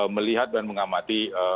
melihat dan mengamati